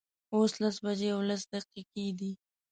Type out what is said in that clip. اوس لس بجې او لس دقیقې دي